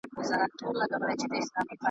نه محتاج یو د انسان نه غلامان یو .